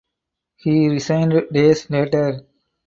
He resigned days later.